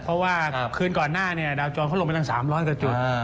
เพราะว่าคืนก่อนหน้าเนี่ยดาวจรเขาลงไปตั้ง๓๐๐กว่าจุด